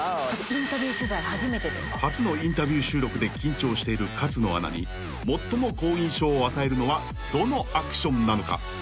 ［初のインタビュー収録で緊張している勝野アナに最も好印象を与えるのはどのアクションなのか］